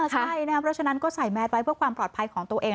ใช่นะครับเพราะฉะนั้นก็ใส่แมสไว้เพื่อความปลอดภัยของตัวเอง